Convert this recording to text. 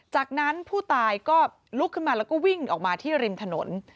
จากนั้นผู้ตายก็ลุกขึ้นมาแล้วก็วิ่งออกมาที่ริมถนน